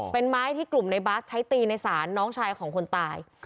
เป็นไม้ที่กลุ่มในบาสใช้ตีในศาลน้องชายของคนตาย